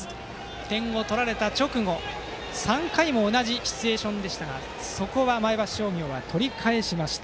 点を取られた直後、３回も同じシチュエーションでしたがそこは前橋商業が取り返しました。